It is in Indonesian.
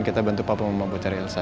kita bantu papa mama buat cari elsa ya